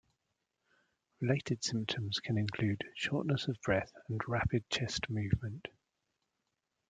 Related symptoms can include shortness of breath and rapid chest movement.